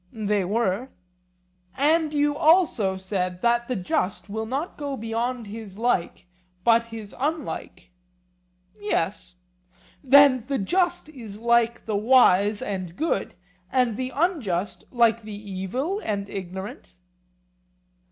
They were. And you also said that the just will not go beyond his like but his unlike? Yes. Then the just is like the wise and good, and the unjust like the evil and ignorant?